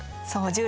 そう。